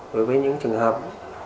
đối với những trường hợp